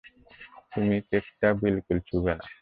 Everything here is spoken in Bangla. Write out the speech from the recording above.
তুমি কেকটা বিলকুল ছোঁবে না!